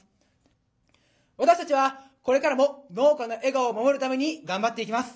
私たちはこれからも農家の笑顔を守るために頑張っていきます。